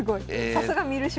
さすが観る将。